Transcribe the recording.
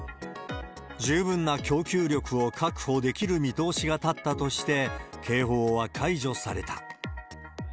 十分な供給力を確保できる見通しが立ったとして、警報は解除された。